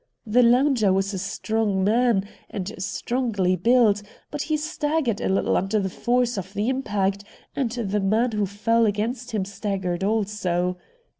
The lounger was a strong man, and strongly built, but he staggered a little under the force of the impact, and the man who fell against him staggered also.